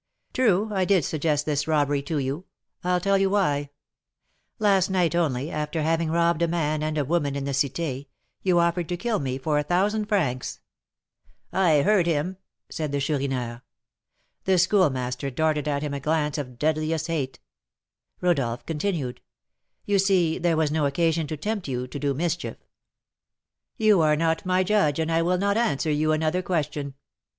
True, I did suggest this robbery to you, I'll tell you why. Last night only, after having robbed a man and woman in the Cité, you offered to kill me for a thousand francs " "I heard him," said the Chourineur. The Schoolmaster darted at him a glance of deadliest hate. Rodolph continued: "You see there was no occasion to tempt you to do mischief." "You are not my judge, and I will not answer you another question."